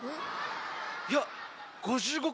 いや５５